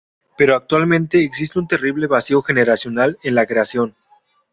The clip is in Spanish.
Pero actualmente existe un terrible vacío generacional en la creación.